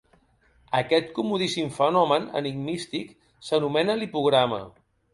Aquest comodíssim fenomen enigmístic s'anomena lipograma.